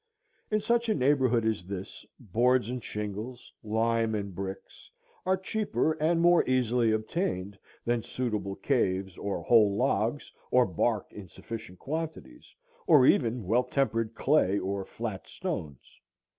In such a neighborhood as this, boards and shingles, lime and bricks, are cheaper and more easily obtained than suitable caves, or whole logs, or bark in sufficient quantities, or even well tempered clay or flat stones.